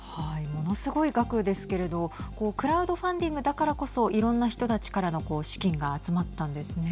ものすごい額ですけれどクラウドファンディングだからこそいろんな人からの資金が集まったんですね。